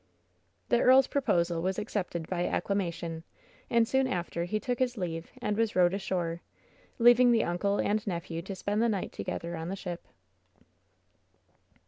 The earl's proposal was accepted by acclamation, and soon after he took his leave, and was rowed ashore, leav ing the imcle and nephew to spend the night together on the ship.